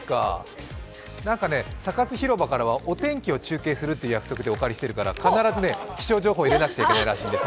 サカス広場からはお天気を中継するという約束でお借りしてるから、必ずね、気象情報をお届けしないといけないんです。